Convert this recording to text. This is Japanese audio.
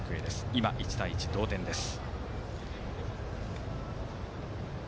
今、１対１の同点です。